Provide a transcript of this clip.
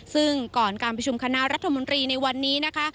ซึ่งก่อนการประชุมคณะรัฐมนตรีในวันนี้นะคะ